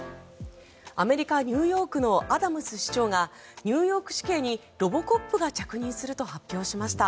アメリカ・ニューヨークのアダムス市長がニューヨーク市警にロボコップが着任すると発表しました。